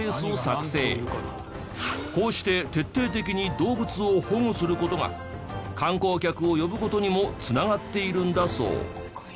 こうして徹底的に動物を保護する事が観光客を呼ぶ事にも繋がっているんだそう。